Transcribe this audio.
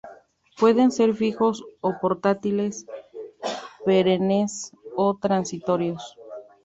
Pueden ser fijos o portátiles, perennes o transitorios.